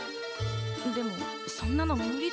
でもそんなの無理だよね。